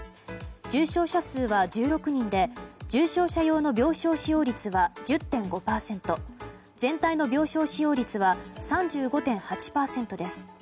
重症者数は１６人で重症者用の病床使用率は１０．５％全体の病床使用率は３５．８％です。